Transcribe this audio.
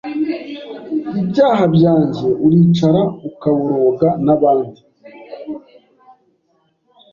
ibyaha byanjye uricara ukaboroga nabandi